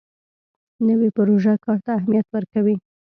نوې پروژه کار ته اهمیت ورکوي